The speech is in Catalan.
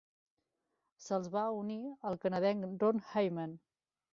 Se'ls va unir el canadenc Ron Hayman.